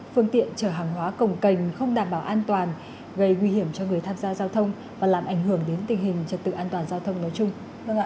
phương tiện chở hàng hóa cồng cành không đảm bảo an toàn gây nguy hiểm cho người tham gia giao thông và làm ảnh hưởng đến tình hình trật tự an toàn giao thông nói chung